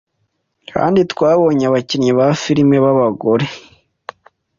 kandi twabonye abakinnyi ba filimi b’abagore